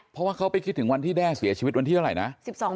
เพราะว่าเขาไปคิดถึงวันที่แด้เสียชีวิตวันที่เท่าไหร่นะ